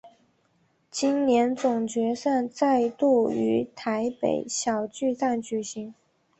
今年总决赛再度于台北小巨蛋举行。